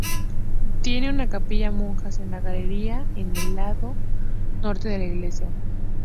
Tiene una capilla monjas en la galería en el lado norte de la Iglesia.